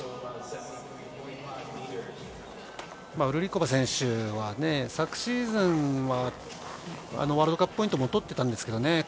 ウルリコバー選手は昨シーズンはワールドカップポイントも取っていたんですけどね。